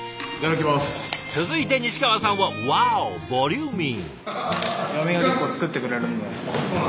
続いて西川さんはワオボリューミー。